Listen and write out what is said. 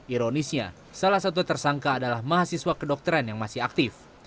ironisnya salah satu tersangka adalah mahasiswa kedokteran yang masih aktif